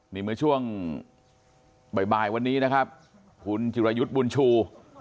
นี่เมื่อช่วงบ่ายวันนี้นะครับคุณจิรายุทธ์บุญชู